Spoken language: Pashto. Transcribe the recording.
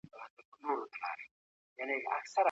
موږ سولې او ورورولۍ ته اړتيا لرو.